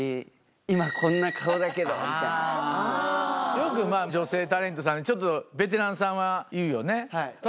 よく女性タレントさんちょっとベテランさんは言うよね。